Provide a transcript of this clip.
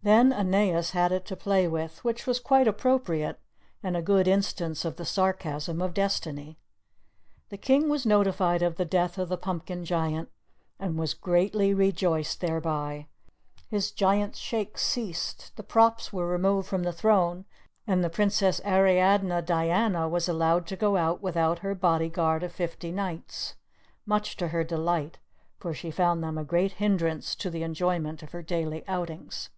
Then Aeneas had it to play with, which was quite appropriate, and a good instance of the sarcasm of destiny. The King was notified of the death of the Pumpkin Giant, and was greatly rejoiced thereby. His Giant's Shakes ceased, the props were removed from the throne, and the Princess Ariadne Diana was allowed to go out without her body guard of fifty knights, much to her delight, for she found them a great hindrance to the enjoyment of her daily outings.